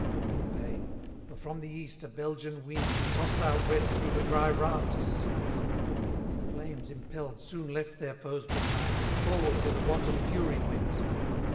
230 In vain: for from the east a Belgian wind His hostile breath through the dry rafters sent; The flames impell'd soon left their foes behind, And forward with a wanton fury went.